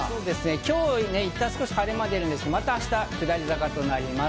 今日、いったん少し晴れ間が出ますが、明日は下り坂となります。